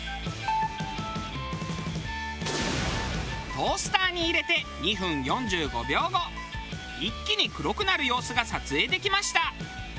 トースターに入れて２分４５秒後一気に黒くなる様子が撮影できました。